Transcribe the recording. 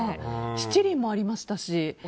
七輪もありましたし。